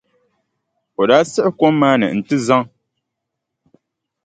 O daa siɣi kom maa ni nti zaŋ.